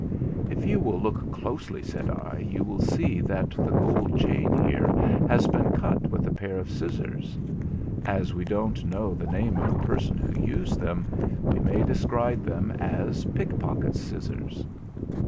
'If you will look closely,' said I, 'you will see that the gold chain here has been cut with a pair of scissors. As we don't know the name of the person who used them, we may describe them as pickpocket's scissors.'